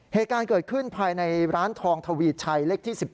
เหตุการณ์เกิดขึ้นภายในร้านทองทวีชัยเลขที่๑๙